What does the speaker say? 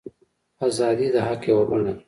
ازادي د حق یوه بڼه ده.